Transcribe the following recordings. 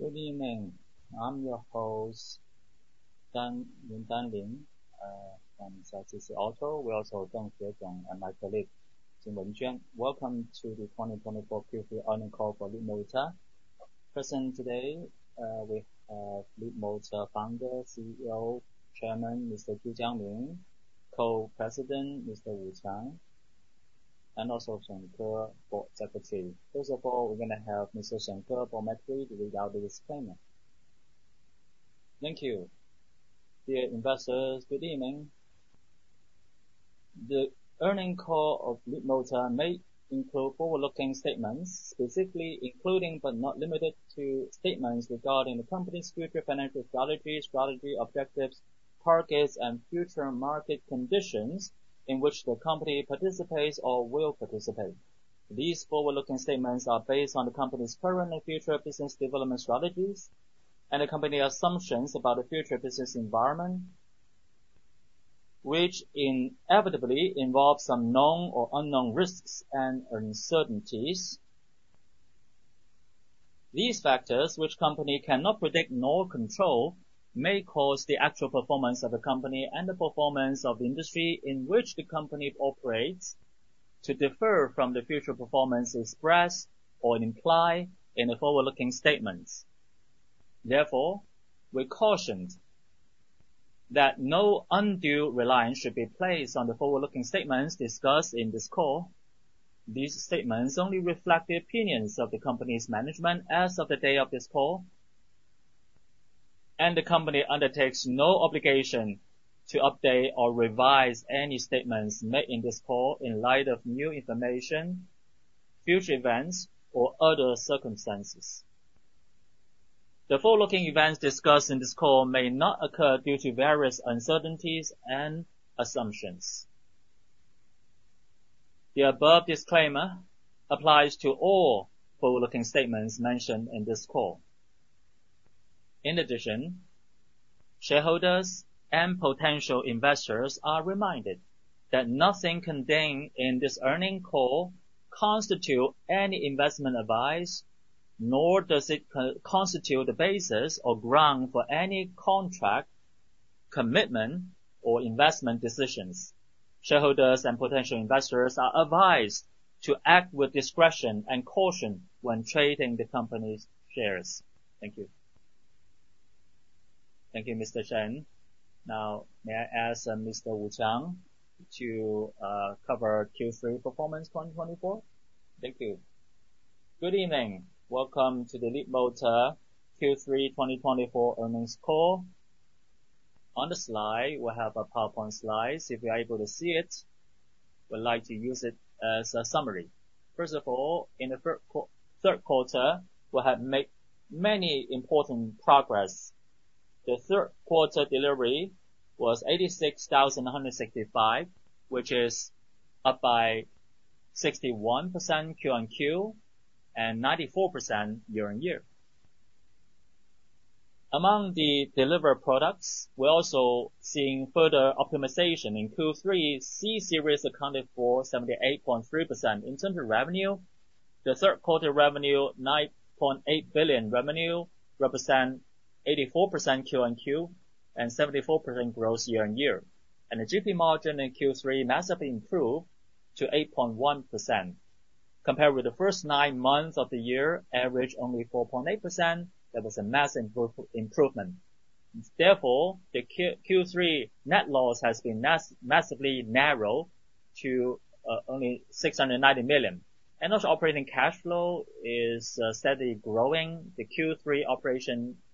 Good evening. I'm your host, Zhu Jiangming, from Zhejiang Leapmotor. We also don't fear change, and I believe in change. Welcome to the 2024 Q3 Earnings Call for Leapmotor. Present today, we have Leapmotor Founder, CEO, Chairman, Mr. Zhu Jiangming, Co-President, Mr. Wu Qiang, and also Shen Ke, Board Deputy. First of all, we're going to have Mr. Shen Ke formally deliver the audit disclaimer. Thank you. Dear investors, good evening. The earnings call of Leapmotor may include forward-looking statements, specifically including but not limited to statements regarding the company's future financial strategy, strategy objectives, targets, and future market conditions in which the company participates or will participate. These forward-looking statements are based on the company's current and future business development strategies and the company's assumptions about the future business environment, which inevitably involves some known or unknown risks and uncertainties. These factors, which the company cannot predict nor control, may cause the actual performance of the company and the performance of the industry in which the company operates to differ from the future performance expressed or implied in the forward-looking statements. Therefore, we caution that no undue reliance should be placed on the forward-looking statements discussed in this call. These statements only reflect the opinions of the company's management as of the date of this call, and the company undertakes no obligation to update or revise any statements made in this call in light of new information, future events, or other circumstances. The forward-looking events discussed in this call may not occur due to various uncertainties and assumptions. The above disclaimer applies to all forward-looking statements mentioned in this call. In addition, shareholders and potential investors are reminded that nothing contained in this earnings call constitutes any investment advice, nor does it constitute the basis or ground for any contract commitment or investment decisions. Shareholders and potential investors are advised to act with discretion and caution when trading the company's shares. Thank you. Thank you, Mr. Zhu. Now, may I ask Mr. Wu Qiang to cover Q3 performance 2024? Thank you. Good evening. Welcome to the Leapmotor Q3 2024 earnings call. On the slide, we have a PowerPoint slide. If you're able to see it, we'd like to use it as a summary. First of all, in the third quarter, we have made many important progress. The third quarter delivery was 86,165, which is up by 61% Q-on-Q and 94% year on year. Among the delivered products, we're also seeing further optimization in Q3. C-series accounted for 78.3% in terms of revenue. The third quarter revenue, 9.8 billion revenue, represents 84% Q-on-Q and 74% gross year on year. And the GP margin in Q3 massively improved to 8.1% compared with the first nine months of the year, averaged only 4.8%. That was a massive improvement. Therefore, the Q3 net loss has been massively narrowed to only 690 million. And also operating cash flow is steadily growing. The Q3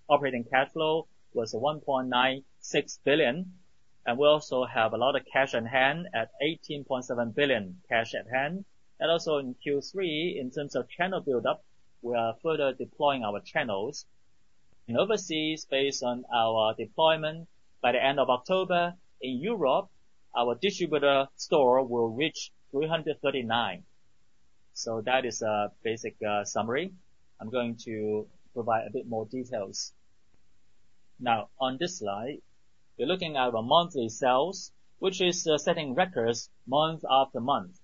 operating cash flow was 1.96 billion. And we also have a lot of cash at hand at 18.7 billion cash at hand. And also in Q3, in terms of channel buildup, we are further deploying our channels. In overseas, based on our deployment by the end of October, in Europe, our distributor store will reach 339. So that is a basic summary. I'm going to provide a bit more details. Now, on this slide, we're looking at our monthly sales, which is setting records month after month,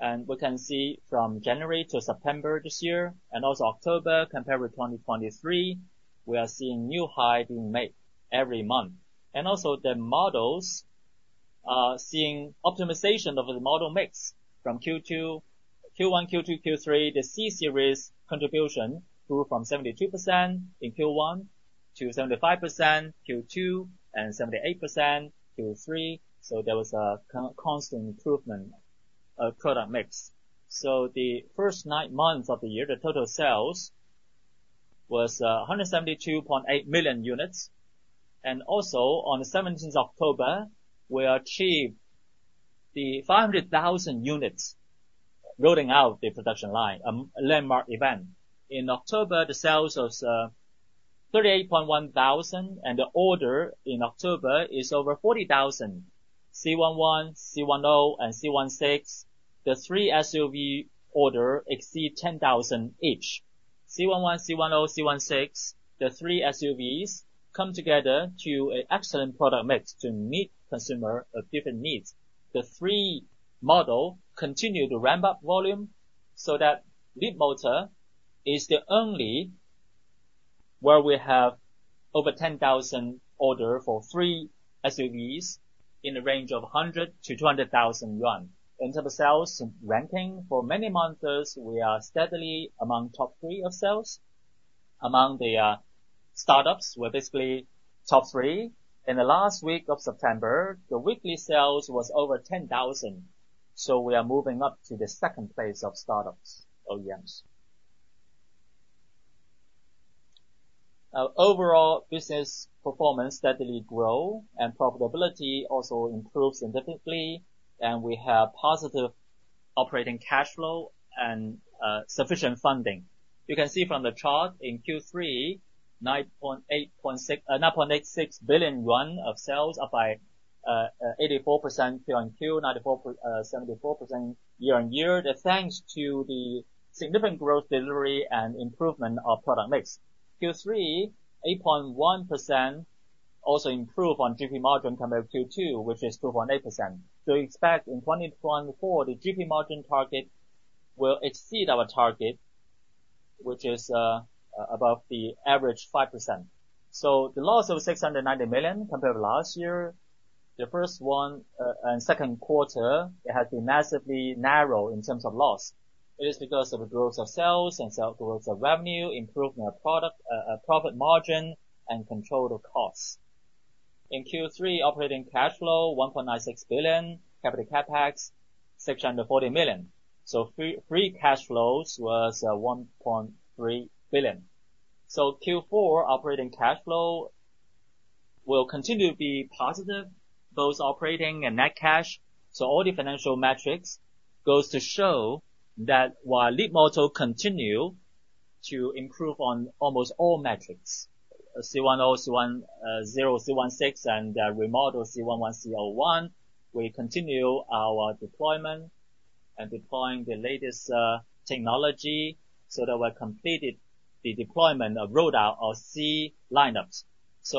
and we can see from January to September this year and also October compared with 2023, we are seeing new highs being made every month, and also the models are seeing optimization of the model mix from Q1, Q2, Q3. The C-series contribution grew from 72% in Q1 to 75% Q2 and 78% Q3. So there was a constant improvement in the product mix, so the first nine months of the year, the total sales was 172.8 thousand units, and also on the 17th of October, we achieved the 500,000 units building out the production line, a landmark event. In October, the sales was 38.1 thousand, and the order in October is over 40,000. C11, C10, and C16, the three SUV orders exceed 10,000 each. C11, C10, C16, the three SUVs come together to an excellent product mix to meet consumer different needs. The three models continue to ramp up volume so that Leapmotor is the only one where we have over 10,000 orders for three SUVs in the range of 100-200,000 yuan. In terms of sales ranking, for many months, we are steadily among the top three of sales. Among the startups, we're basically top three. In the last week of September, the weekly sales was over 10,000. So we are moving up to the second place of startups, OEMs. Overall, business performance steadily grows, and profitability also improves significantly, and we have positive operating cash flow and sufficient funding. You can see from the chart in Q3, 9.86 billion yuan of sales up by 84% Q-on-Q, 74% year on year, thanks to the significant growth delivery and improvement of product mix. Q3 8.1% also improved on GP margin compared with Q2, which is 2.8%. So we expect in 2024, the GP margin target will exceed our target, which is above the average 5%. So the loss of 690 million compared with last year, the first one and second quarter, it has been massively narrowed in terms of loss. It is because of the growth of sales and sales growth of revenue, improvement of profit margin, and control of costs. In Q3, operating cash flow 1.96 billion, capital CapEx 640 million. So free cash flows were 1.3 billion. So Q4 operating cash flow will continue to be positive, both operating and net cash. All the financial metrics go to show that while Leapmotor continues to improve on almost all metrics, C10, C16, and remodeled C11, C01, we continue our deployment and deploying the latest technology so that we completed the deployment of rollout of C lineups.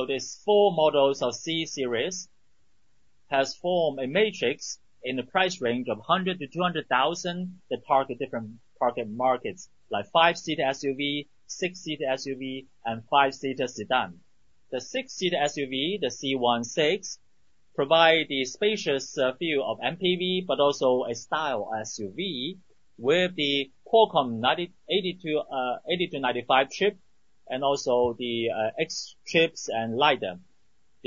These four models of C-series have formed a matrix in the price range of 100,000-200,000 that target different markets, like five-seater SUV, six-seater SUV, and five-seater sedan. The six-seater SUV, the C16, provides the spacious feel of MPV, but also a style SUV with the Snapdragon 8295 chip and also the X chips and LiDAR.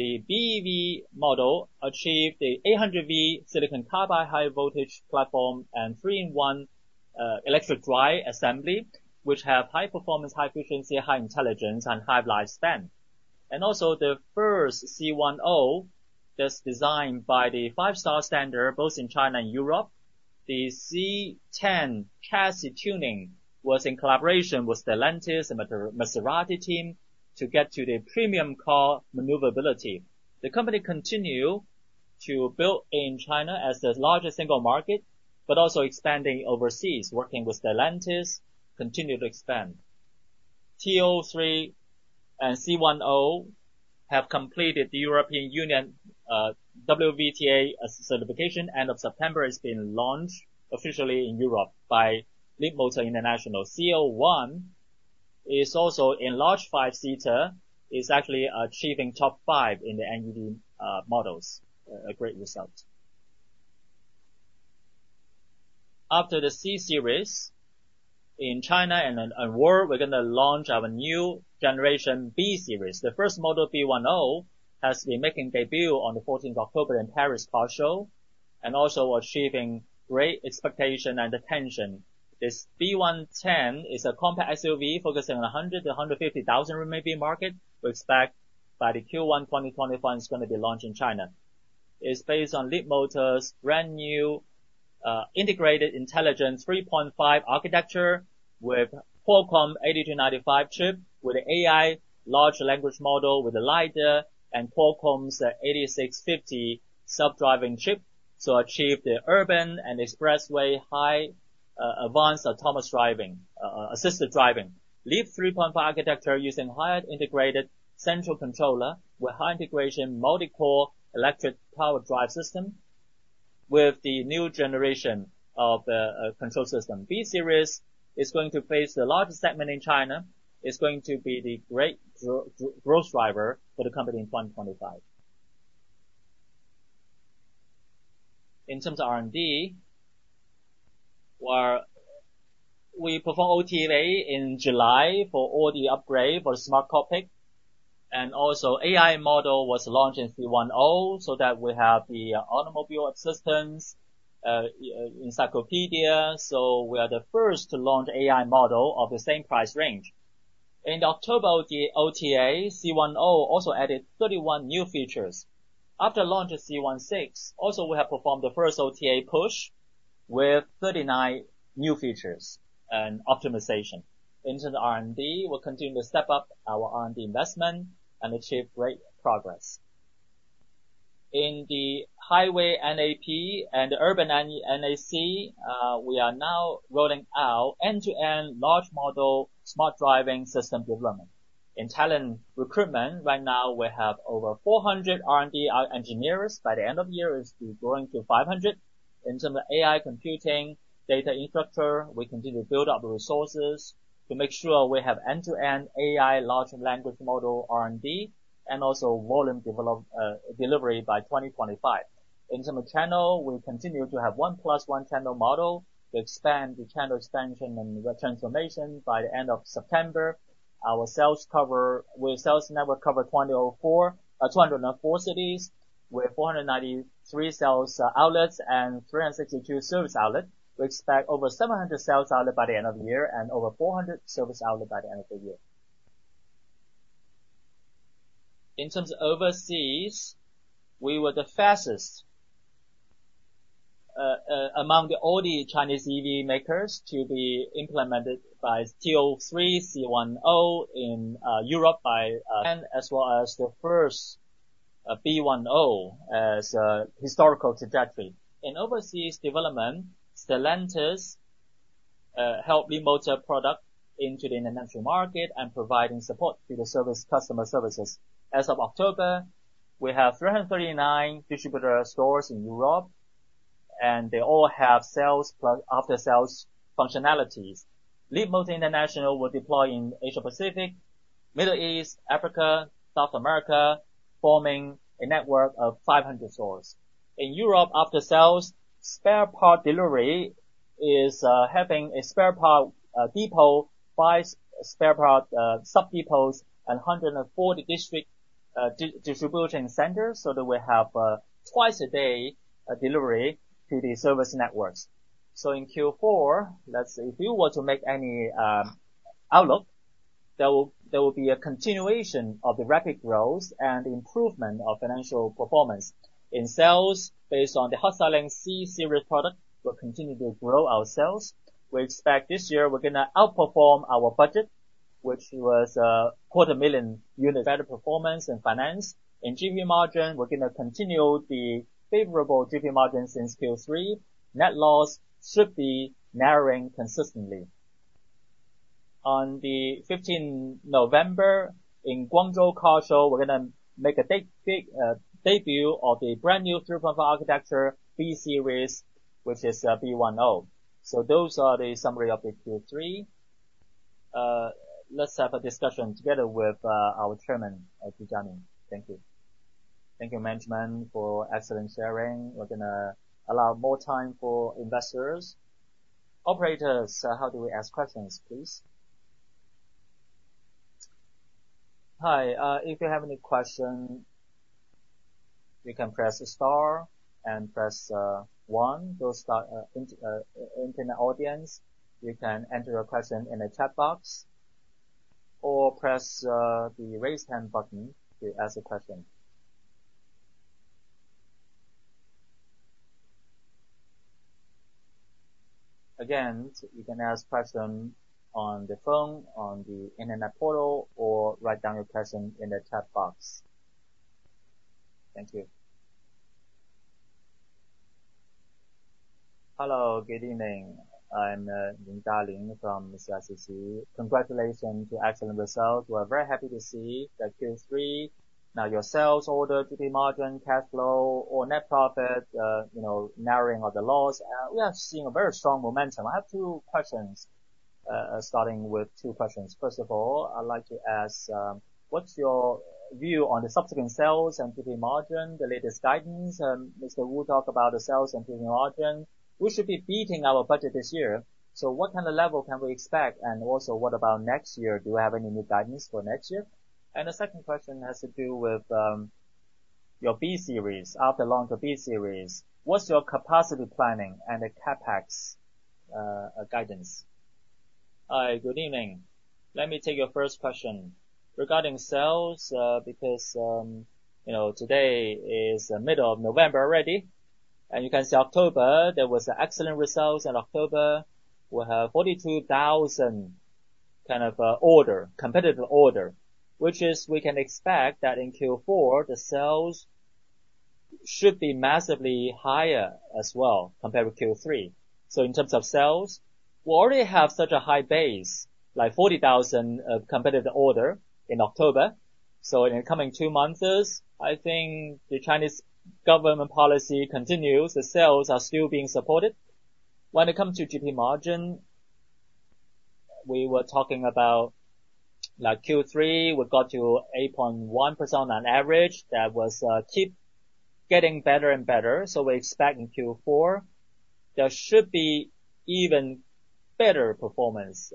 The BEV model achieved the 800V silicon carbide high voltage platform and three-in-one electric drive assembly, which have high performance, high efficiency, high intelligence, and high lifespan. And also the first C10 that's designed by the five-star standard, both in China and Europe. The C10 chassis tuning was in collaboration with Stellantis and Maserati team to get to the premium car maneuverability. The company continues to build in China as the largest single market, but also expanding overseas, working with Stellantis, continuing to expand. T03 and C10 have completed the European Union WVTA certification. End of September, it's been launched officially in Europe by Leapmotor International. C01 is also a large five-seater. It's actually achieving top five in the NEV models. A great result. After the C-series, in China and the world, we're going to launch our new generation B-series. The first model, B10, has made its debut on the 14th of October in Paris car show and also achieving great expectation and attention. This B10 is a compact SUV focusing on 100-150 thousand RMB market. We expect by the Q1 2024, it's going to be launched in China. It's based on Leapmotor's brand new Leap 3.5 architecture with Qualcomm 8295 chip, with an AI large language model with LiDAR and Qualcomm's 8650 self-driving chip, so achieve the urban and expressway high advanced autonomous driving, assisted driving. Leap 3.5 architecture using higher integrated central controller with high integration multi-core electric power drive system with the new generation of control system. B-series is going to face the largest segment in China. It's going to be the great growth driver for the company in 2025. In terms of R&D, we perform OTA in July for all the upgrades for the smart cockpit, and also AI model was launched in C10 so that we have the automobile assistance encyclopedia, so we are the first to launch AI model of the same price range. In October, the OTA C10 also added 31 new features. After launch of C16, also we have performed the first OTA push with 39 new features and optimization. In terms of R&D, we'll continue to step up our R&D investment and achieve great progress. In the highway NAP and urban NAC, we are now rolling out end-to-end large model smart driving system development. In talent recruitment, right now we have over 400 R&D engineers. By the end of the year, it's going to be 500. In terms of AI computing, data infrastructure, we continue to build up the resources to make sure we have end-to-end AI large language model R&D and also volume delivery by 2025. In terms of channel, we continue to have one plus one channel model to expand the channel expansion and transformation. By the end of September, our sales network covers 204 cities with 493 sales outlets and 362 service outlets. We expect over 700 sales outlets by the end of the year and over 400 service outlets by the end of the year. In terms of overseas, we were the fastest among all the Chinese EV makers to implement T03, C10 in Europe. As well as the first B10 as a historical trajectory. In overseas development, Stellantis helped Leapmotor products into the international market and providing support to the service customer services. As of October, we have 339 distributor stores in Europe, and they all have sales after-sales functionalities. Leapmotor International will deploy in Asia Pacific, Middle East, Africa, South America, forming a network of 500 stores. In Europe, after sales, spare part delivery is having a spare part depot, five spare part sub-depots, and 140 district distribution centers so that we have twice a day delivery to the service networks. So in Q4, if you were to make any outlook, there will be a continuation of the rapid growth and improvement of financial performance. In sales, based on the hot-selling C-series product, we'll continue to grow our sales. We expect this year we're going to outperform our budget, which was 250,000 units. Better performance and finance. In GP margin, we're going to continue the favorable GP margin since Q3. Net loss should be narrowing consistently. On the 15th of November, in Guangzhou car show, we're going to make a debut of the brand new 3.5 architecture B-series, which is B10. So those are the summary of the Q3. Let's have a discussion together with our chairman, Mr. Jiangming. Thank you. Thank you, management, for excellent sharing. We're going to allow more time for investors. Operators, how do we ask questions, please? Hi. If you have any questions, you can press the star and press one. Those are internet audience. You can enter a question in the chat box or press the raise hand button to ask a question. Again, you can ask questions on the phone, on the internet portal, or write down your question in the chat box. Thank you. Hello, good evening. I'm Ying Dong from CICC. Congratulations to excellent results. We're very happy to see that Q3, now your sales order, GP margin, cash flow, or net profit, narrowing of the loss. We have seen a very strong momentum. I have two questions, starting with two questions. First of all, I'd like to ask, what's your view on the subsequent sales and GP margin, the latest guidance? Mr. Wu talked about the sales and GP margin. We should be beating our budget this year. So what kind of level can we expect? And also, what about next year? Do we have any new guidance for next year? And the second question has to do with your B-series. After launch of B-series, what's your capacity planning and the CapEx guidance? Hi, good evening. Let me take your first question regarding sales because today is the middle of November already. And you can see October, there were excellent results in October. We have 42,000 kind of order, competitive order, which is we can expect that in Q4, the sales should be massively higher as well compared with Q3. So in terms of sales, we already have such a high base, like 40,000 competitive order in October. So in the coming two months, I think the Chinese government policy continues. The sales are still being supported. When it comes to GP margin, we were talking about Q3, we got to 8.1% on average. That was keep getting better and better. So we expect in Q4, there should be even better performance.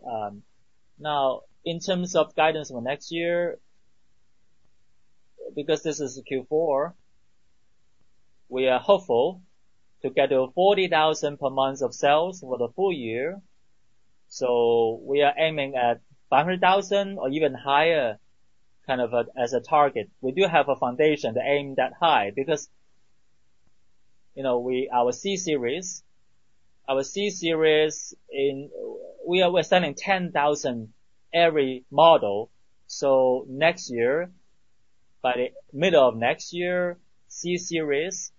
Now, in terms of guidance for next year, because this is Q4, we are hopeful to get to 40,000 per month of sales for the full year. So we are aiming at 500,000 or even higher kind of as a target. We do have a foundation to aim that high because our C-series, our C-series, we are selling 10,000 every model. Next year, by the middle of next year, C-series,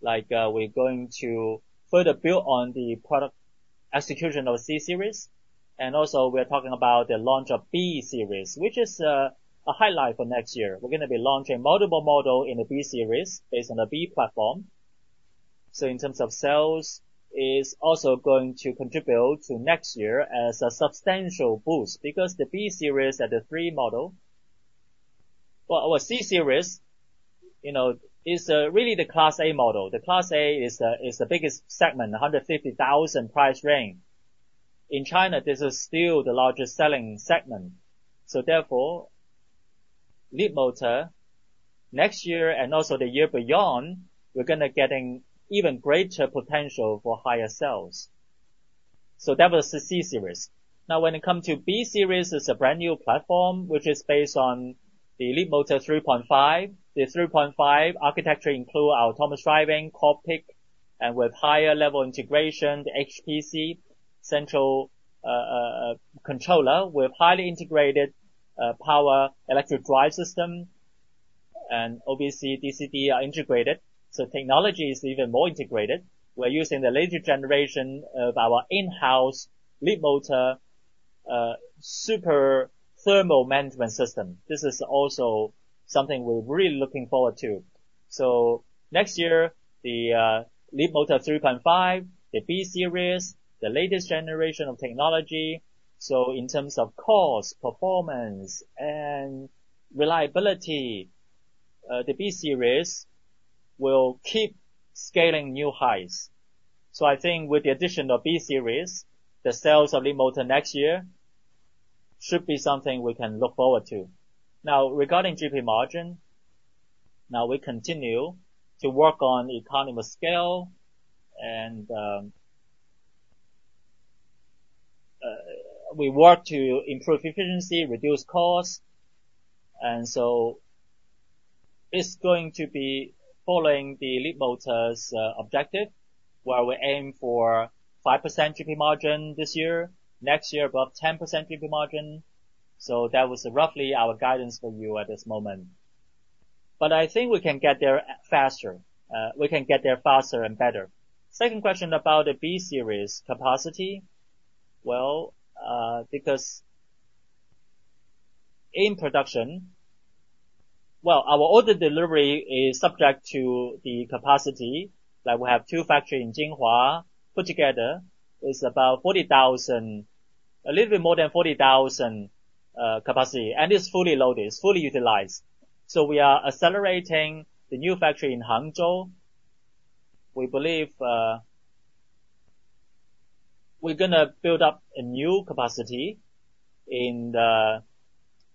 we are going to further build on the product execution of C-series. And also, we are talking about the launch of B-series, which is a highlight for next year. We are going to be launching multiple models in the B-series based on the B platform. So in terms of sales, it is also going to contribute to next year as a substantial boost because the B-series and the T03 model, well, our C-series is really the Class A model. The Class A is the biggest segment, 150,000 price range. In China, this is still the largest selling segment. So therefore, Leapmotor, next year and also the year beyond, we are going to get an even greater potential for higher sales. So that was the C-series. Now, when it comes to B-series, it is a brand new platform, which is based on the Leap 3.5. The 3.5 architecture includes autonomous driving, cockpit, and with higher-level integration, the HPC, central controller with highly integrated power electric drive system, and OBC, DC-DC are integrated, so technology is even more integrated. We're using the latest generation of our in-house Leapmotor super thermal management system. This is also something we're really looking forward to, so next year, the Leapmotor 3.5, the B-series, the latest generation of technology, so in terms of cost, performance, and reliability, the B-series will keep scaling new highs. So I think with the addition of B-series, the sales of Leapmotor next year should be something we can look forward to. Now, regarding GP margin, now we continue to work on economies of scale, and we work to improve efficiency, reduce costs, and so it's going to be following the Leapmotor's objective, where we aim for 5% GP margin this year, next year above 10% GP margin. So that was roughly our guidance for you at this moment. But I think we can get there faster. We can get there faster and better. Second question about the B-series capacity. Well, because in production, well, our order delivery is subject to the capacity. We have two factories in Jinhua put together. It's about 40,000, a little bit more than 40,000 capacity. And it's fully loaded, it's fully utilized. S o we are accelerating the new factory in Hangzhou. We believe we're going to build up a new capacity in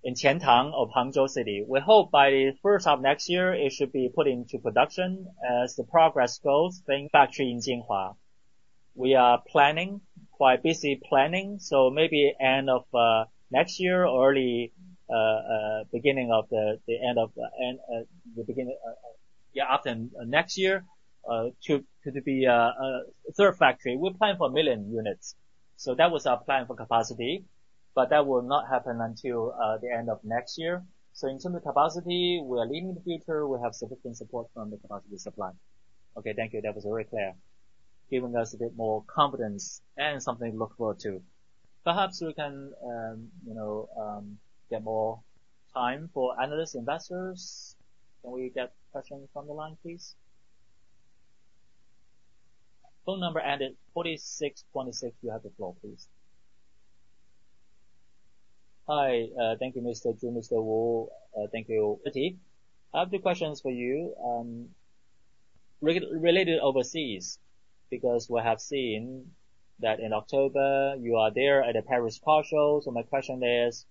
Qiantang of Hangzhou City. We hope by the first half of next year, it should be put into production as the progress goes for factory in Jinhua. We are planning, quite busy planning. So maybe end of next year or early beginning of the end of the beginning of next year to be a third factory. We plan for a million units. So that was our plan for capacity. But that will not happen until the end of next year. So in terms of capacity, we are leaning in the future. We have significant support from the capacity supply. Okay, thank you. That was very clear, giving us a bit more confidence and something to look forward to. Perhaps we can get more time for analysts, investors. Can we get questions from the line, please? Phone number ended 4626. You have the floor, please. Hi. Thank you, Mr. Zhu, Mr. Wu. Thank you. I have two questions for you related overseas because we have seen that in October, you are there at the Paris car show. So my question is,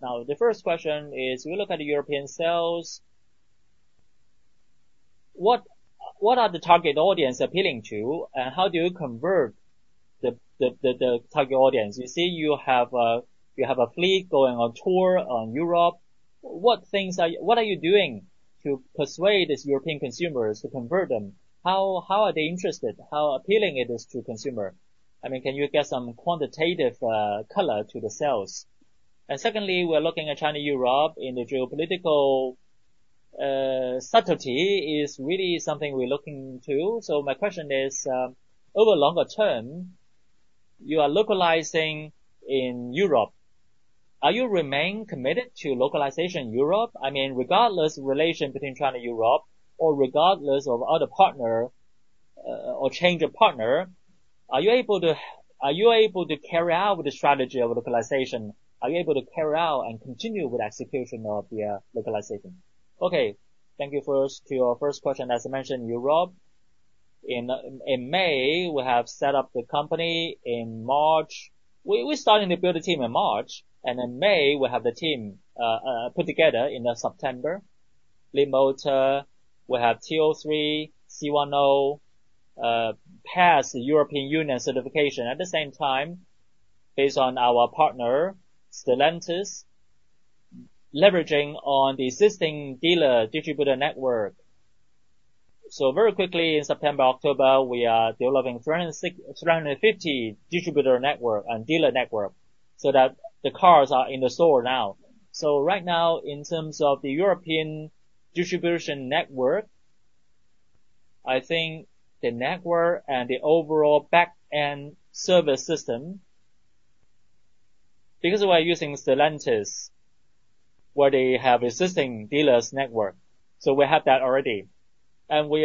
now the first question is, we look at the European sales. What are the target audience appealing to, and how do you convert the target audience? You see, you have a fleet going on tour in Europe. What are you doing to persuade these European consumers to convert them? How are they interested? How appealing is it to consumers? I mean, can you get some quantitative color to the sales? And secondly, we're looking at China-Europe. The geopolitical subtlety is really something we're looking to. So my question is, over the longer term, you are localizing in Europe. Are you remaining committed to localization in Europe? I mean, regardless of the relation between China-Europe or regardless of other partner or change of partner, are you able to carry out with the strategy of localization? Are you able to carry out and continue with the execution of the localization? Okay. Thank you first to your first question. As I mentioned, Europe. In May, we have set up the company. In March, we're starting to build a team in March and in May, we have the team put together in September. Leapmotor, we have T03, C10, passed the European Union certification. At the same time, based on our partner, Stellantis, leveraging on the existing dealer distributor network, so very quickly, in September, October, we are developing 350 distributor network and dealer network so that the cars are in the store now, so right now, in terms of the European distribution network, I think the network and the overall back-end service system, because we're using Stellantis, where they have existing dealers' network, so we have that already and we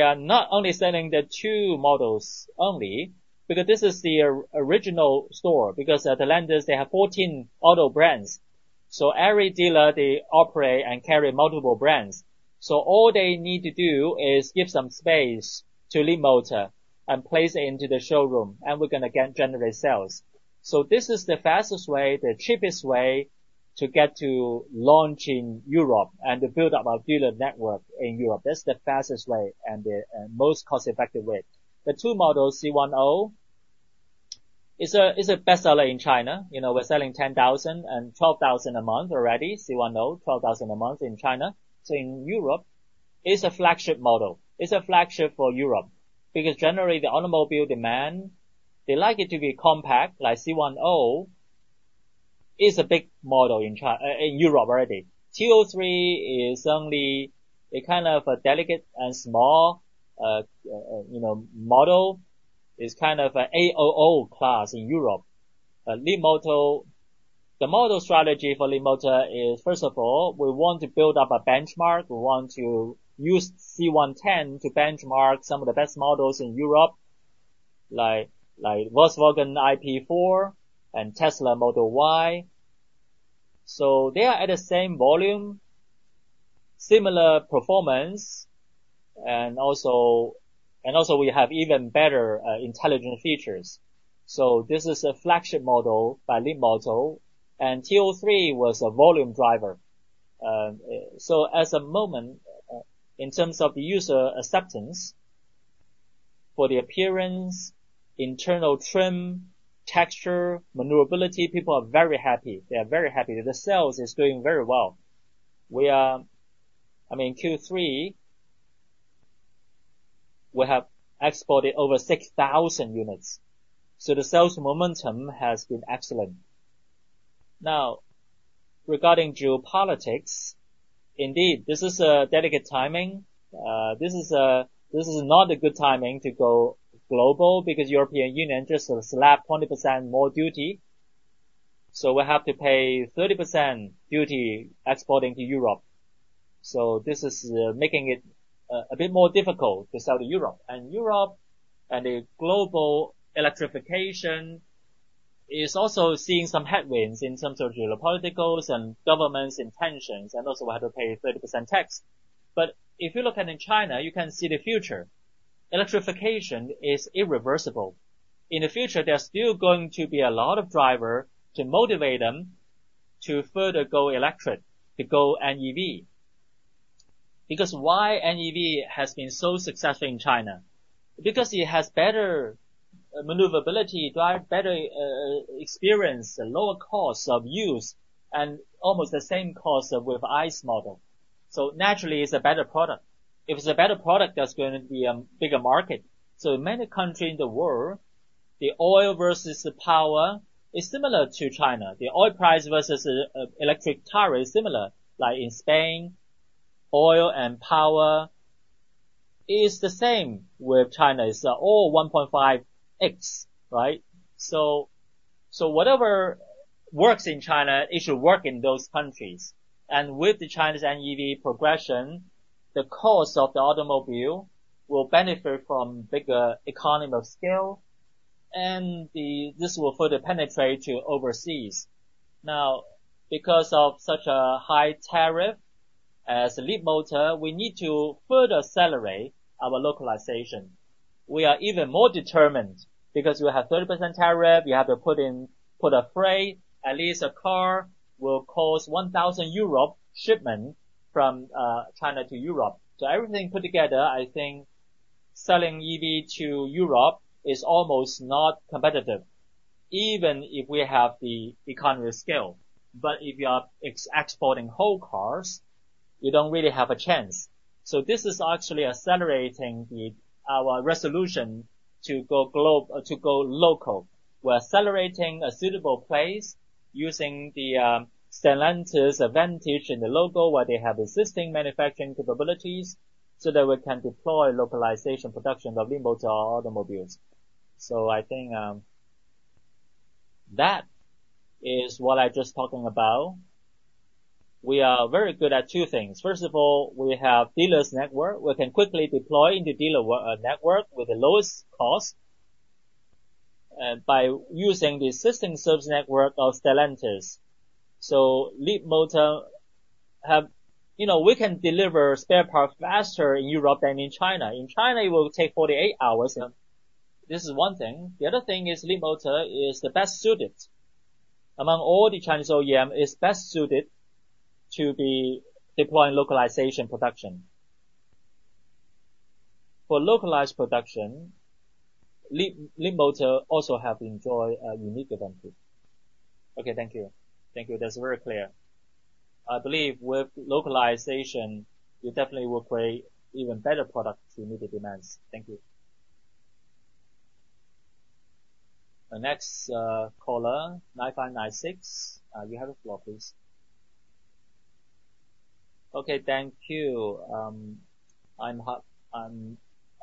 are not only selling the two models only because this is the original store. Because at Stellantis, they have 14 auto brands, so every dealer, they operate and carry multiple brands. So all they need to do is give some space to Leapmotor and place it into the showroom. And we're going to generate sales. So this is the fastest way, the cheapest way to get to launch in Europe and to build up our dealer network in Europe. That's the fastest way and the most cost-effective way. The two models, C10, is a bestseller in China. We're selling 10,000 and 12,000 a month already. C10, 12,000 a month in China. So in Europe, it's a flagship model. It's a flagship for Europe because generally, the automobile demand, they like it to be compact. Like C10 is a big model in Europe already. T03 is only a kind of a delicate and small model. It's kind of an AOO class in Europe. The model strategy for Leapmotor is, first of all, we want to build up a benchmark. We want to use C10 to benchmark some of the best models in Europe, like Volkswagen ID.4 and Tesla Model Y, so they are at the same volume, similar performance, and also, we have even better intelligent features, so this is a flagship model by Leapmotor, and T03 was a volume driver, so at the moment, in terms of user acceptance for the appearance, internal trim, texture, maneuverability, people are very happy. They are very happy. The sales is going very well. I mean, Q3, we have exported over 6,000 units, so the sales momentum has been excellent. Now, regarding geopolitics, indeed, this is a delicate timing. This is not a good timing to go global because the European Union just slapped 20% more duty, so we have to pay 30% duty exporting to Europe, so this is making it a bit more difficult to sell to Europe. Europe and the global electrification is also seeing some headwinds in terms of geopolitics and governments' intentions. We also have to pay 30% tax. But if you look at it in China, you can see the future. Electrification is irreversible. In the future, there's still going to be a lot of drivers to motivate them to further go electric, to go NEV. Because why NEV has been so successful in China? Because it has better maneuverability, drives better experience, a lower cost of use, and almost the same cost with ICE model. So naturally, it's a better product. If it's a better product, there's going to be a bigger market. So in many countries in the world, the oil versus the power is similar to China. The oil price versus electric tariff is similar. Like in Spain, oil and power is the same with China. It's all 1.5x, right? So whatever works in China, it should work in those countries. And with the Chinese NEV progression, the cost of the automobile will benefit from bigger economy of scale. And this will further penetrate to overseas. Now, because of such a high tariff as Leapmotor, we need to further accelerate our localization. We are even more determined because we have 30% tariff. You have to put a freight. At least a car will cost 1,000 euro shipment from China to Europe. So everything put together, I think selling EV to Europe is almost not competitive, even if we have the economy of scale. But if you are exporting whole cars, you don't really have a chance. So this is actually accelerating our resolution to go local. We're accelerating a suitable place using Stellantis' advantage in the local where they have existing manufacturing capabilities so that we can deploy localization production of Leapmotor automobiles. So I think that is what I'm just talking about. We are very good at two things. First of all, we have dealers' network. We can quickly deploy into dealer network with the lowest cost by using the existing service network of Stellantis. So Leapmotor, we can deliver spare parts faster in Europe than in China. In China, it will take 48 hours. This is one thing. The other thing is Leapmotor is the best suited. Among all the Chinese OEMs, it's best suited to be deploying localization production. For localized production, Leapmotor also has enjoyed a unique advantage. Okay, thank you. Thank you. That's very clear. I believe with localization, you definitely will create even better products to meet the demands. Thank you. Next caller, 9596. You have the floor, please. Okay, thank you. I'm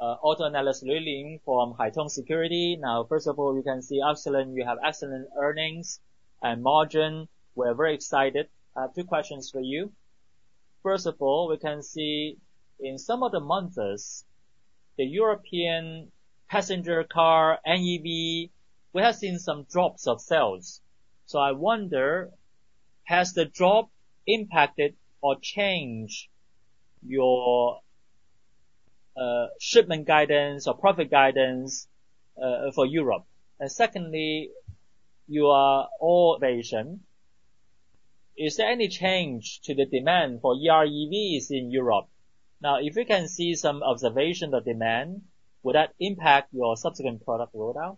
auto analyst, Liu Ling from Haitong Securities. Now, first of all, you can see excellent. You have excellent earnings and margin. We're very excited. Two questions for you. First of all, we can see in some of the months, the European passenger car NEV, we have seen some drops of sales. So I wonder, has the drop impacted or changed your shipment guidance or profit guidance for Europe? And secondly, your overall observation, is there any change to the demand for EREVs in Europe? Now, if we can see some observation of demand, would that impact your subsequent product rollout?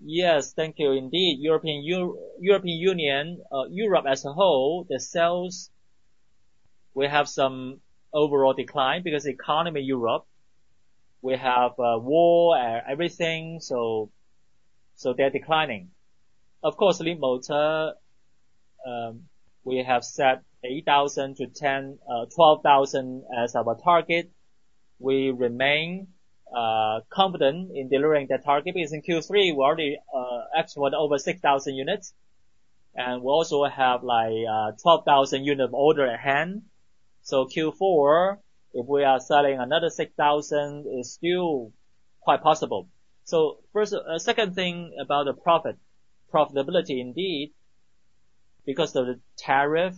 Yes, thank you. Indeed, European Union, Europe as a whole, the sales, we have some overall decline because the economy in Europe, we have war and everything. So they're declining. Of course, Leapmotor, we have set 8,000-12,000 as our target. We remain confident in delivering that target. Because in Q3, we already exported over 6,000 units. And we also have like 12,000 units of order at hand. So Q4, if we are selling another 6,000, it's still quite possible. So second thing about the profitability, indeed, because of the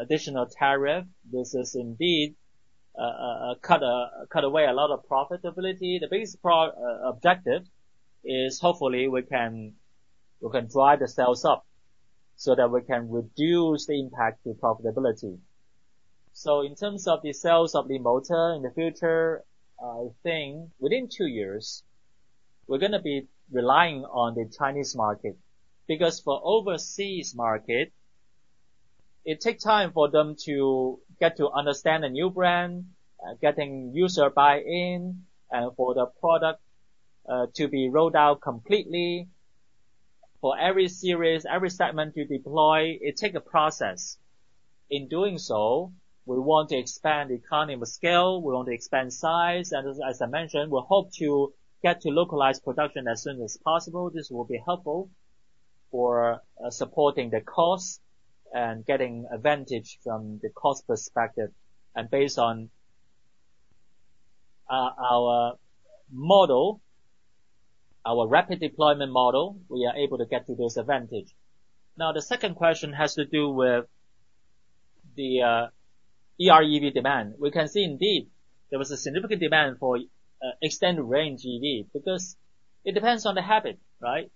additional tariff, this has indeed cut away a lot of profitability. The biggest objective is hopefully we can drive the sales up so that we can reduce the impact to profitability. In terms of the sales of Leapmotor in the future, I think within two years, we're going to be relying on the Chinese market because for overseas market, it takes time for them to get to understand a new brand, getting user buy-in, and for the product to be rolled out completely for every series, every segment to deploy, it takes a process. In doing so, we want to expand the economies of scale. We want to expand size. And as I mentioned, we hope to get to localized production as soon as possible. This will be helpful for supporting the cost and getting advantage from the cost perspective. And based on our model, our rapid deployment model, we are able to get to this advantage. Now, the second question has to do with the EREV demand. We can see indeed there was a significant demand for extended range EV because it depends on the habit, right?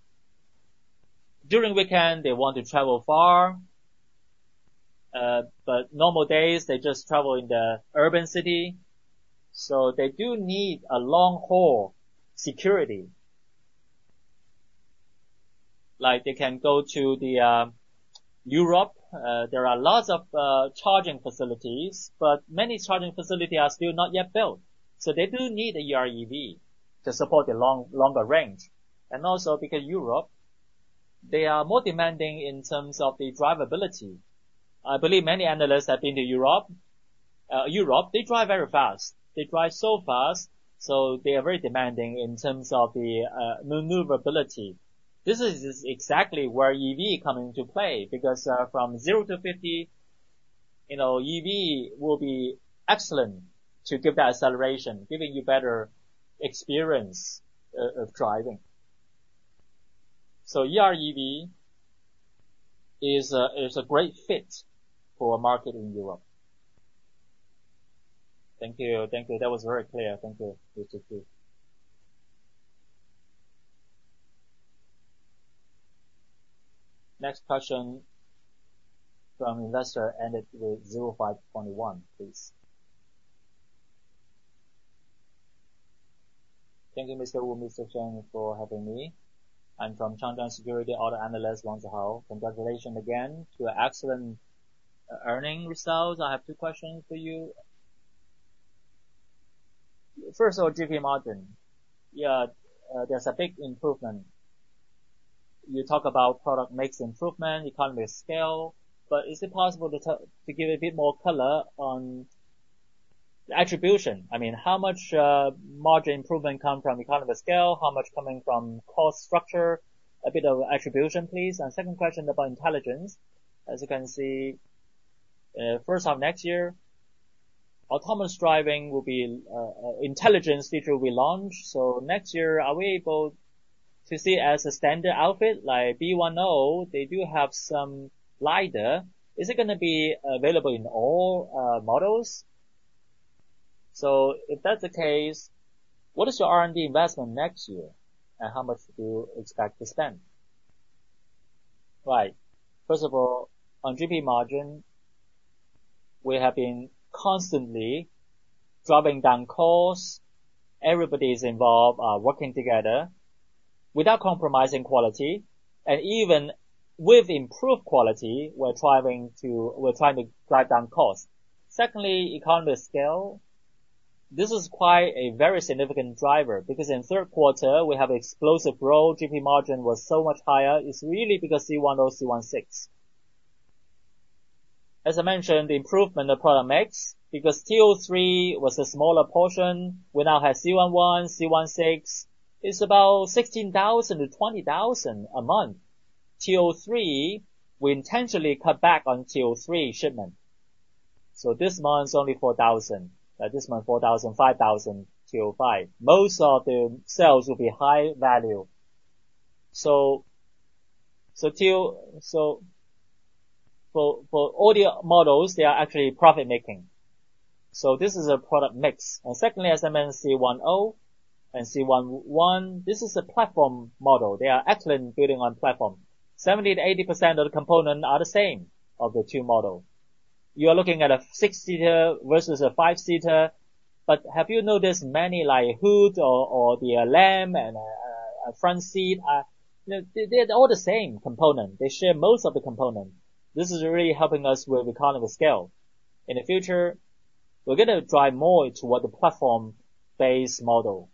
During weekend, they want to travel far. But normal days, they just travel in the urban city. So they do need a long-haul security. Like they can go to Europe. There are lots of charging facilities, but many charging facilities are still not yet built. So they do need an EREV to support the longer range. And also because Europe, they are more demanding in terms of the drivability. I believe many analysts have been to Europe. Europe, they drive very fast. They drive so fast. So they are very demanding in terms of the maneuverability. This is exactly where EV comes into play because from 0 to 50, EV will be excellent to give that acceleration, giving you better experience of driving. So EREV is a great fit for a market in Europe. Thank you. Thank you. That was very clear. Thank you. Next question from investor ended with 0521, please. Thank you, Mr. Wu, Mr. Chen, for having me. I'm from Shanghai Securities auto analyst, Wang Zhao. Congratulations again to excellent earnings results. I have two questions for you. First of all, GP margin, yeah, there's a big improvement. You talk about product mix improvement, economy of scale. But is it possible to give a bit more color on the attribution? I mean, how much margin improvement comes from economy of scale? How much coming from cost structure? A bit of attribution, please. And second question about intelligent. As you can see, first half next year, autonomous driving will be an intelligent feature we launch. So next year, are we able to see as a standard outfit like B10? They do have some LiDAR. Is it going to be available in all models? So if that's the case, what is your R&D investment next year? And how much do you expect to spend? Right. First of all, on GP margin, we have been constantly dropping down costs. Everybody is involved working together without compromising quality. And even with improved quality, we're trying to drive down cost. Secondly, economy of scale, this is quite a very significant driver because in third quarter, we have explosive growth. GP margin was so much higher. It's really because C10, C16. As I mentioned, the improvement of product makes because T03 was a smaller portion. We now have C11, C16. It's about 16,000-20,000 a month. T03, we intentionally cut back on T03 shipment. This month, it's only 4,000. This month, 4,000, 5,000, T03. Most of the sales will be high value. For our models, they are actually profit-making. This is a product mix. Secondly, as I mentioned, C10 and C11, this is a platform model. They are excellent building on platform. 70%-80% of the components are the same of the two models. You are looking at a six-seater versus a five-seater. But have you noticed many like hood or the lamp and front seat? They're all the same component. They share most of the components. This is really helping us with economy scale. In the future, we're going to drive more toward the platform-based model.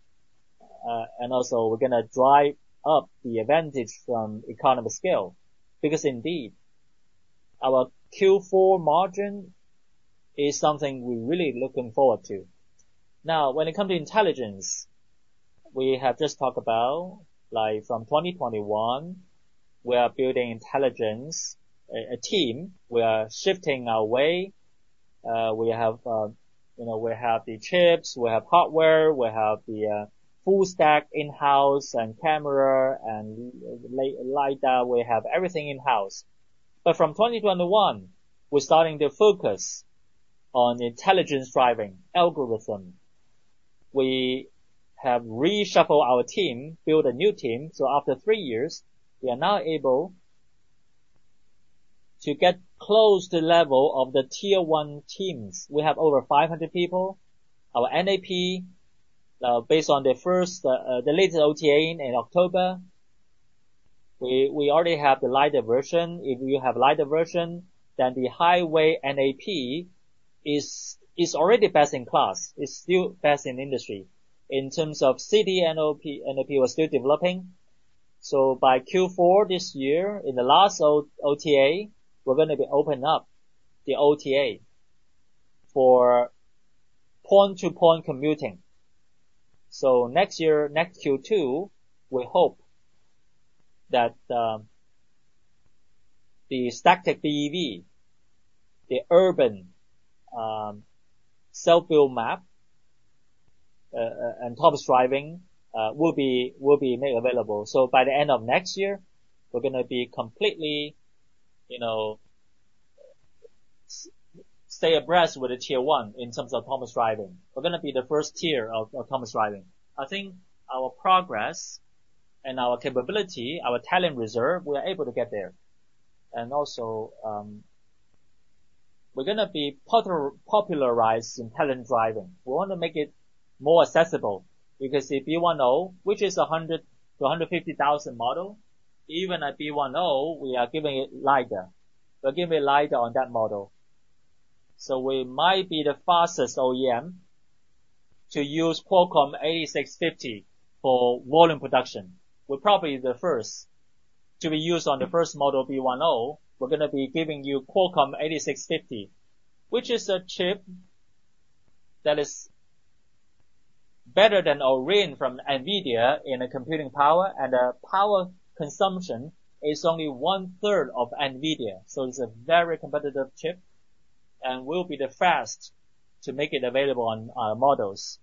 We're also going to drive up the advantage from economy scale because indeed, our Q4 margin is something we're really looking forward to. Now, when it comes to intelligence, we have just talked about from 2021. We are building intelligence a team. We are shifting our way. We have the chips. We have hardware. We have the full stack in-house and camera and LiDAR. We have everything in-house, but from 2021, we're starting to focus on intelligent driving algorithm. We have reshuffled our team, built a new team, so after three years, we are now able to get close to the level of the tier-one teams. We have over 500 people. Our NAP, based on the latest OTA in October, we already have the LiDAR version. If you have LiDAR version, then the highway NAP is already best in class. It's still best in the industry. In terms of NAC, NAP was still developing, so by Q4 this year, in the last OTA, we're going to open up the OTA for point-to-point commuting. So next year, next Q2, we hope that the static BEV, the urban self-built map and autonomous driving will be made available. So by the end of next year, we're going to be completely stay abreast with the tier-one in terms of autonomous driving. We're going to be the first tier of autonomous driving. I think our progress and our capability, our talent reserve, we're able to get there. And also, we're going to be popularized in intelligent driving. We want to make it more accessible because the B10, which is a 100,000-150,000 model, even at B10, we are giving it LiDAR. We're giving LiDAR on that model. So we might be the fastest OEM to use Qualcomm 8650 for volume production. We're probably the first to be used on the first model B10. We're going to be giving you Qualcomm 8650, which is a chip that is better than an Orin from NVIDIA in computing power, and the power consumption is only one-third of NVIDIA. So it's a very competitive chip and will be the first to make it available on our models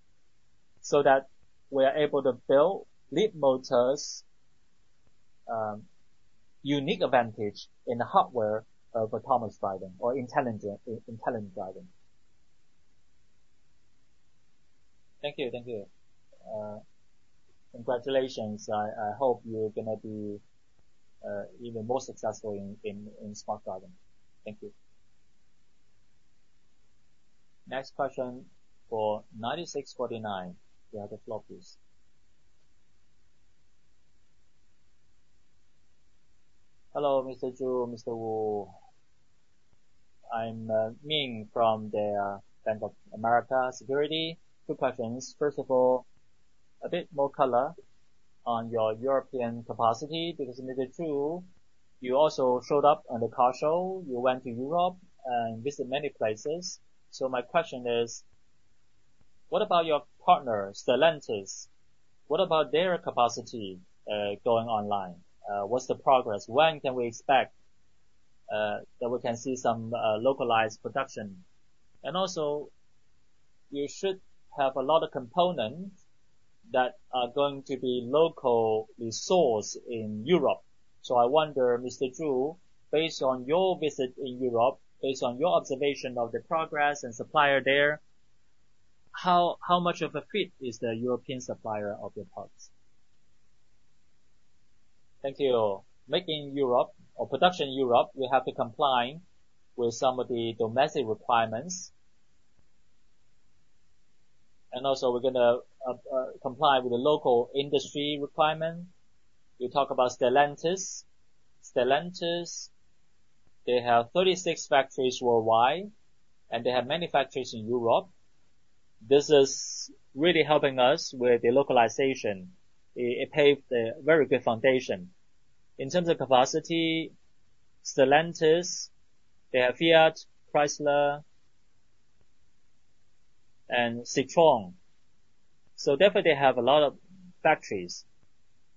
so that we are able to build Leapmotor's unique advantage in the hardware of autonomous driving or intelligent driving. Thank you. Thank you. Congratulations. I hope you're going to be even more successful in smart driving. Thank you. Next question for 9649. You have the floor, please. Hello, Mr. Zhu, Mr. Wu. I'm Ming from Bank of America Securities. Two questions. First of all, a bit more color on your European capacity because, Mr. Zhu, you also showed up on the car show. You went to Europe and visited many places. So my question is, what about your partners, Stellantis? What about their capacity going online? What's the progress? When can we expect that we can see some localized production? And also, you should have a lot of components that are going to be local resource in Europe. So I wonder, Mr. Zhu, based on your visit in Europe, based on your observation of the progress and supplier there, how much of a fit is the European supplier of your parts? Thank you. Making Europe or production in Europe, we have to comply with some of the domestic requirements. And also, we're going to comply with the local industry requirements. You talk about Stellantis. Stellantis, they have 36 factories worldwide, and they have many factories in Europe. This is really helping us with the localization. It paved a very good foundation. In terms of capacity, Stellantis, they have Fiat, Chrysler, and Citroën, so definitely, they have a lot of factories,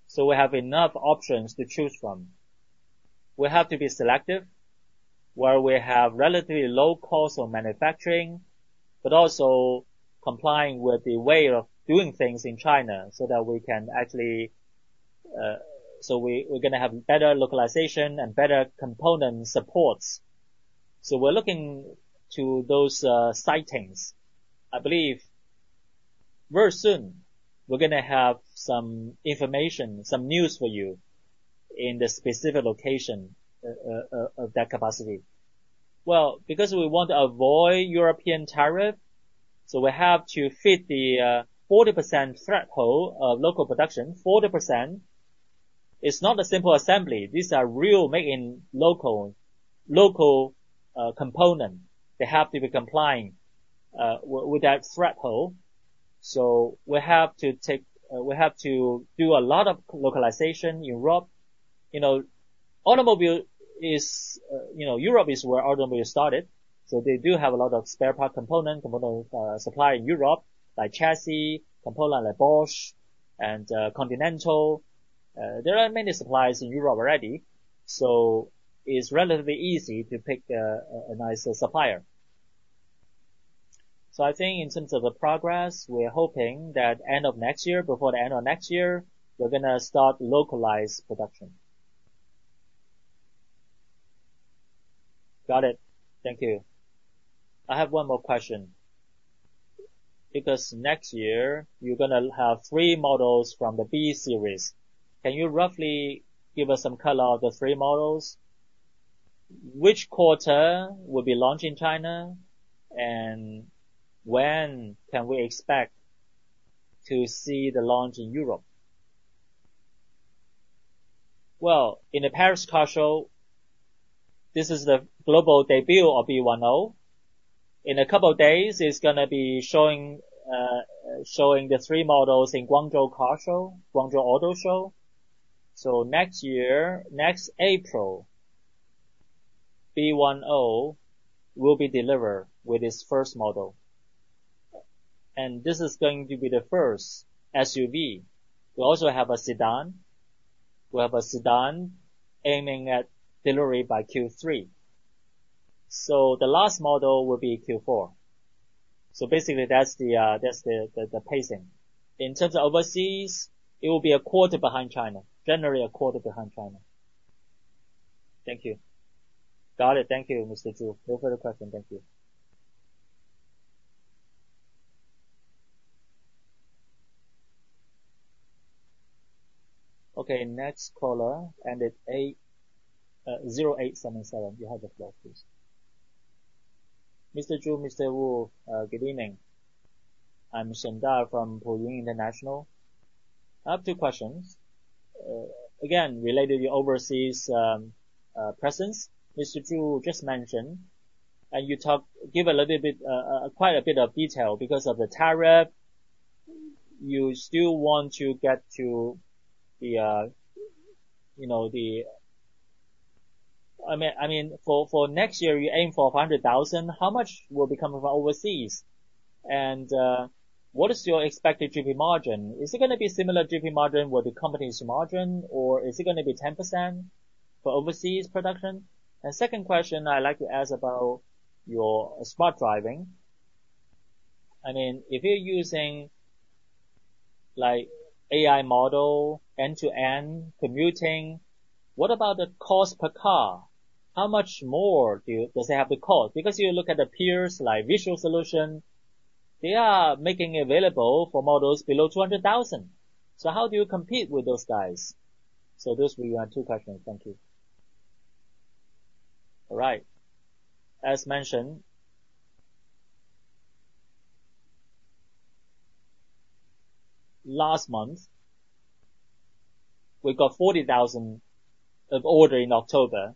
so we have enough options to choose from. We have to be selective where we have relatively low cost of manufacturing, but also complying with the way of doing things in China so that we can actually we're going to have better localization and better component supports. So, we're looking to those sites. I believe very soon, we're going to have some information, some news for you in the specific location of that capacity. Because we want to avoid European tariffs, so we have to fit the 40% threshold of local production, 40%. It's not a simple assembly. These are really making local components. They have to be complying with that threshold. So we have to do a lot of localization in Europe. Automotive in Europe is where the automobile started. So they do have a lot of spare part components, component supply in Europe like chassis, components like Bosch and Continental. There are many suppliers in Europe already. So it's relatively easy to pick a nice supplier. So I think in terms of the progress, we're hoping that end of next year, before the end of next year, we're going to start localized production. Got it. Thank you. I have one more question. Because next year, you're going to have three models from the B-series. Can you roughly give us some color of the three models? Which quarter will be launched in China? And when can we expect to see the launch in Europe? Well, in the Paris car show, this is the global debut of B10. In a couple of days, it's going to be showing the three models in Guangzhou Car Show, Guangzhou Auto Show. So next year, next April, B10 will be delivered with its first model. And this is going to be the first SUV. We also have a sedan. We have a sedan aiming at delivery by Q3. So the last model will be Q4. So basically, that's the pacing. In terms of overseas, it will be a quarter behind China, generally a quarter behind China. Thank you. Got it. Thank you, Mr. Zhu. No further questions. Thank you. Okay. Next caller, extension 0877. You have the floor, please. Mr. Zhu, Mr. Wu, good evening. I'm Shen Dao from BOCOM International. I have two questions. Again, related to your overseas presence, Mr. Zhu just mentioned, and you give a little bit, quite a bit of detail because of the tariff. You still want to get to the, I mean, for next year, you aim for 500,000. How much will be coming from overseas? And what is your expected GP margin? Is it going to be similar GP margin with the company's margin, or is it going to be 10% for overseas production? And second question, I'd like to ask about your smart driving. I mean, if you're using AI model, end-to-end computing, what about the cost per car? How much more does it have to cost? Because you look at the peers like Visual Solution, they are making available for models below 200,000. So how do you compete with those guys? So those were your two questions. Thank you. All right. As mentioned, last month, we got 40,000 orders in October.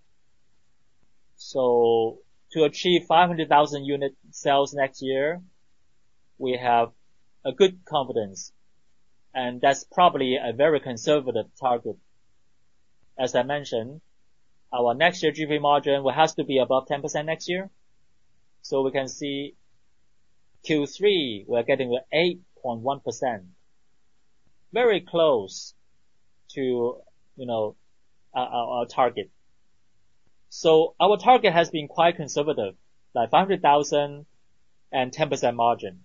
So to achieve 500,000 unit sales next year, we have a good confidence. That's probably a very conservative target. As I mentioned, our next year GP margin has to be above 10% next year. We can see Q3, we're getting 8.1%, very close to our target. Our target has been quite conservative, like 500,000 and 10% margin.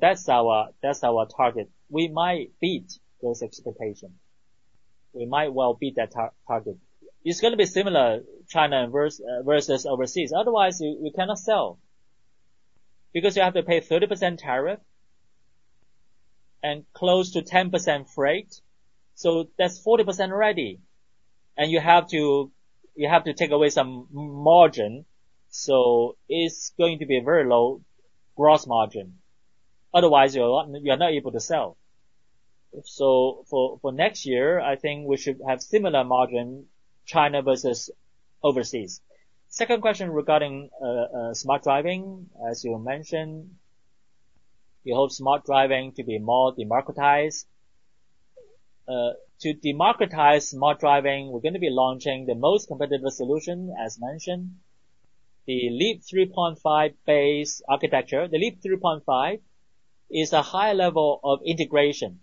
That's our target. We might beat those expectations. We might well beat that target. It's going to be similar China versus overseas. Otherwise, you cannot sell because you have to pay 30% tariff and close to 10% freight. That's 40% already. And you have to take away some margin. It's going to be a very low gross margin. Otherwise, you're not able to sell. For next year, I think we should have similar margin, China versus overseas. Second question regarding smart driving, as you mentioned, you hope smart driving to be more democratized. To democratize smart driving, we're going to be launching the most competitive solution, as mentioned, the Leap 3.5-based architecture. The Leap 3.5 is a high level of integration.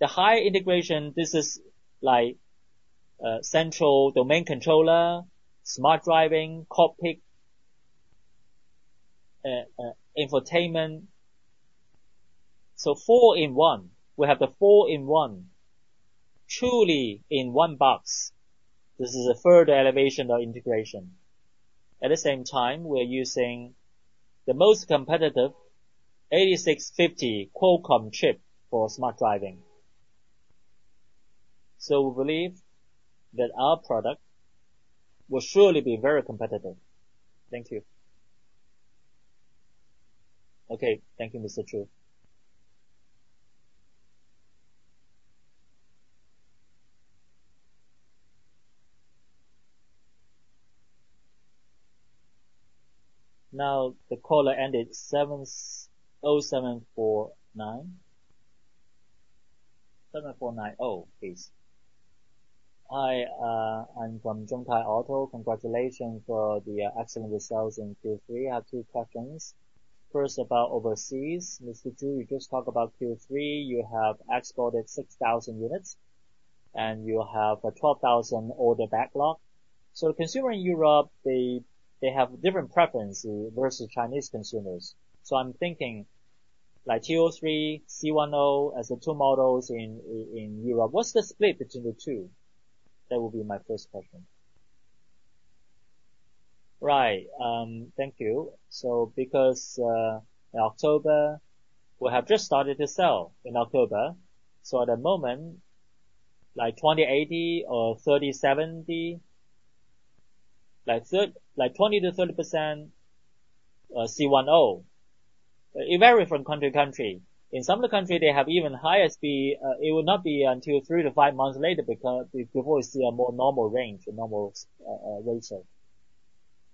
The high integration, this is like central domain controller, smart driving, cockpit, infotainment. So four in one. We have the four in one, truly in one box. This is a further elevation of integration. At the same time, we're using the most competitive 8650 Qualcomm chip for smart driving. So we believe that our product will surely be very competitive. Thank you. Okay. Thank you, Mr. Zhu. Now, the caller ended 0749. 0749. Oh, please. I'm from Zhongtai Securities. Congratulations for the excellent results in Q3. I have two questions. First, about overseas. Mr. Zhu, you just talked about Q3. You have exported 6,000 units, and you have 12,000 order backlog. So consumer in Europe, they have different preferences versus Chinese consumers. I'm thinking like T03, C10 as the two models in Europe. What's the split between the two? That will be my first question. Right. Thank you. So because in October, we have just started to sell in October. So at the moment, like 2080 or 3070, like 20%-30% C10. It varies from country to country. In some of the countries, they have even higher speed. It will not be until three to five months later before we see a more normal range, a normal ratio.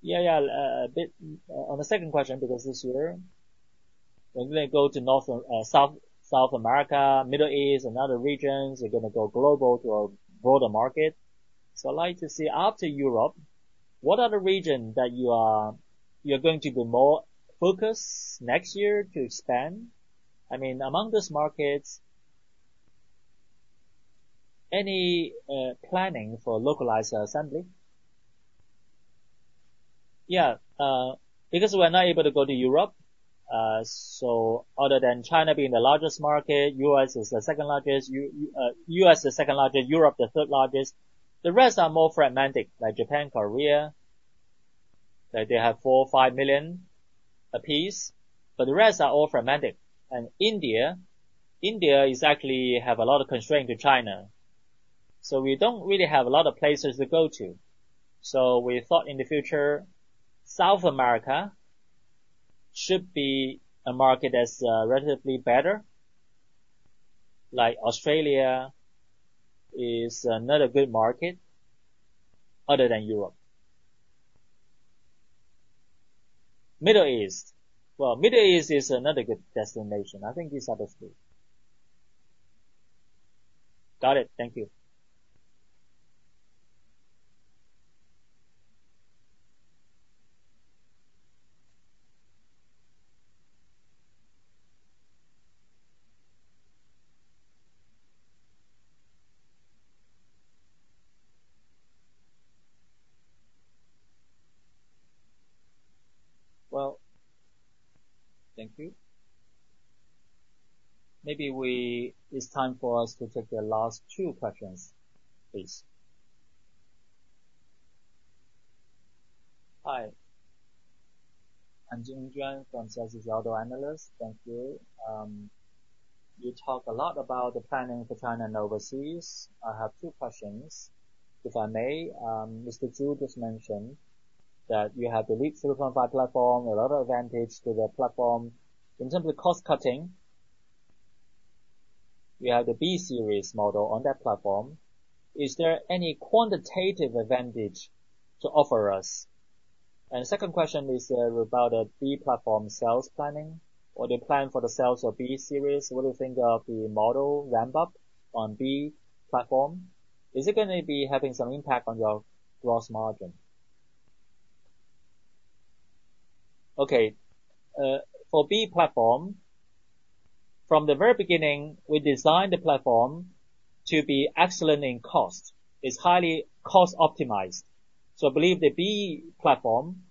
Yeah, yeah. On the second question, because this year, we're going to go to South America, Middle East, and other regions. We're going to go global to a broader market. So I'd like to see after Europe, what are the regions that you're going to be more focused next year to expand? I mean, among those markets, any planning for localized assembly? Yeah. Because we're not able to go to Europe. So other than China being the largest market, U.S. is the second largest. Europe, the third largest. The rest are more fragmented, like Japan, Korea. They have four, five million apiece. But the rest are all fragmented. And India actually has a lot of constraints to China. So we don't really have a lot of places to go to. So we thought in the future, South America should be a market that's relatively better, like Australia is another good market other than Europe. Middle East. Well, Middle East is another good destination. I think these are the three. Got it. Thank you. Well. Thank you. Maybe it's time for us to take the last two questions, please. Hi. I'm Zheng Yuan from Zheshang Auto Analyst. Thank you. You talk a lot about the planning for China and overseas. I have two questions, if I may. Mr. Zhu just mentioned that you have the Leap 3.5 platform, a lot of advantage to the platform. In terms of cost-cutting, you have the B series model on that platform. Is there any quantitative advantage to offer us? And the second question is about the B platform sales planning. Are they planning for the sales of B series? What do you think of the model ramp-up on B platform? Is it going to be having some impact on your gross margin? Okay. For B platform, from the very beginning, we designed the platform to be excellent in cost. It's highly cost-optimized. So I believe the B platform,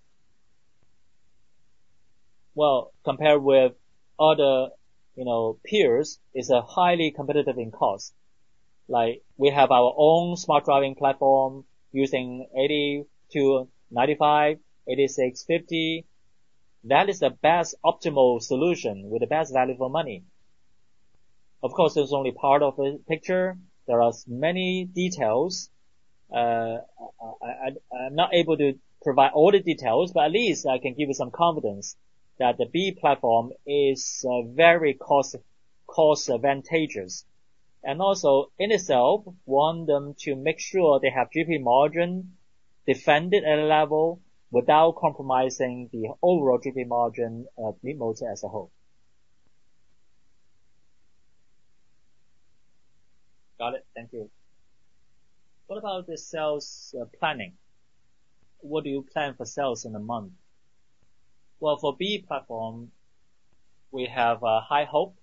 well, compared with other peers, is highly competitive in cost. We have our own smart driving platform using 8295, 8650. That is the best optimal solution with the best value for money. Of course, it's only part of the picture. There are many details. I'm not able to provide all the details, but at least I can give you some confidence that the B platform is very cost-advantageous. And also, NSL wants them to make sure they have GP margin defended at a level without compromising the overall GP margin of Leapmotor as a whole. Got it. Thank you. What about the sales planning? What do you plan for sales in a month? Well, for B platform, we have a high hope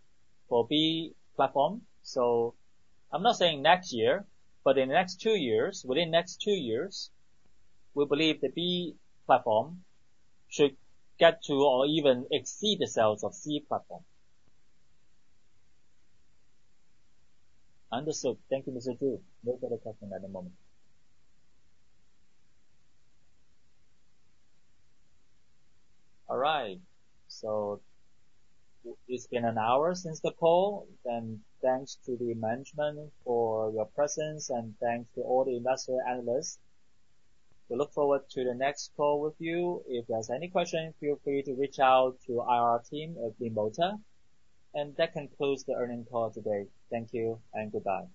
for B platform. So I'm not saying next year, but in the next two years, within the next two years, we believe the B platform should get to or even exceed the sales of C platform. Understood. Thank you, Mr. Zhu. No further questions at the moment. All right. So it's been an hour since the call. And thanks to the management for your presence, and thanks to all the industrial analysts. We look forward to the next call with you. If there's any question, feel free to reach out to our team at Leapmotor. And that concludes the earnings call today. Thank you and goodbye.